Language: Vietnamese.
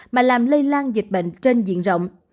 mà làm lây lan dịch bệnh trên diện rộng